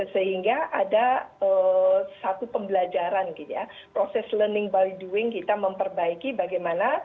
sehingga ada satu pembelajaran gitu ya proses learning by doing kita memperbaiki bagaimana